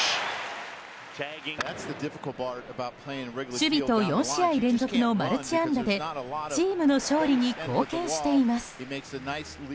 守備と４試合連続のマルチ安打でチームの勝利に貢献しています。